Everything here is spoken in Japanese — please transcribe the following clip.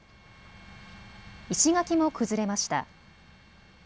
石垣も崩れました。